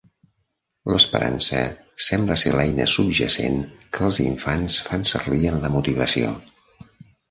L'esperança sembla ser l'eina subjacent que els infants fan servir en la motivació.